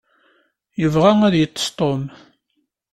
Yebɣa ad yeṭṭeṣ Tom.